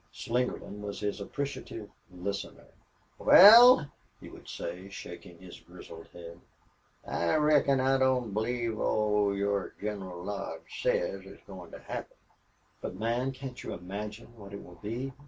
Slingerland was his appreciative listener. "Wal," he would say, shaking his grizzled head, "I reckon I don't believe all your General Lodge says is goin' to happen." "But, man, can't you imagine what it will be?"